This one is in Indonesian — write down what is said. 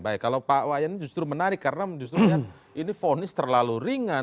baik kalau pak wanyan justru menarik karena justru lihat ini ponis terlalu ringan